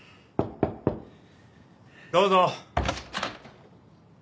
どうぞ。